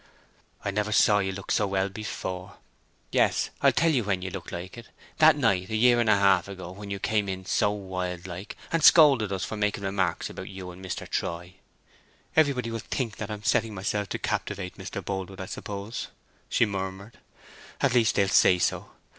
"I never saw you look so well before. Yes—I'll tell you when you looked like it—that night, a year and a half ago, when you came in so wildlike, and scolded us for making remarks about you and Mr. Troy." "Everybody will think that I am setting myself to captivate Mr. Boldwood, I suppose," she murmured. "At least they'll say so.